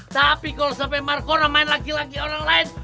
tapi kalau sampai marcono main laki laki orang lain